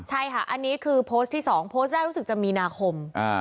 ใช่ค่ะอันนี้คือโพสต์ที่๒โพสต์แรกรู้สึกจะมีนาคม